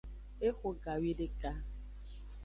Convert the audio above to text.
Exo gawideka.